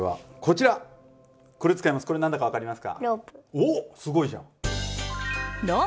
おっすごいじゃん。